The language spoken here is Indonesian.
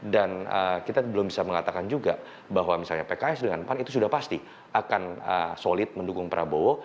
dan kita belum bisa mengatakan juga bahwa misalnya pks dengan pan itu sudah pasti akan solid mendukung prabowo